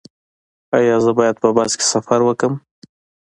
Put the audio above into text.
ایا زه باید په بس کې سفر وکړم؟